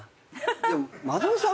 でも松本さん。